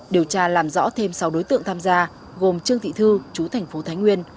điều tra làm rõ thêm sáu đối tượng tham gia gồm trương thị thư chú thành phố thái nguyên